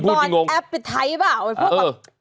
บ่อนแอปพิไทซ์บ้าง